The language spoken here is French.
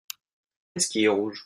Qu’est-ce qui est rouge ?